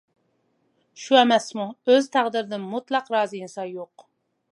شۇ ئەمەسمۇ، ئۆز تەقدىرىدىن مۇتلەق رازى ئىنسان يوق.